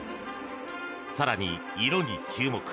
更に、色に注目！